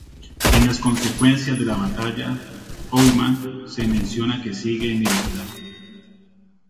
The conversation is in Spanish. En las consecuencias de la batalla, Owlman se menciona que sigue en libertad.